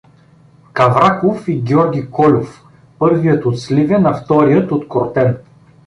Кавраков и Георги Кольов, първият от Сливен, а вторият от Кортен.